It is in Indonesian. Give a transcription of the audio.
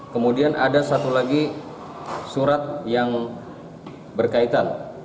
kemudian ada satu lagi surat yang berkaitan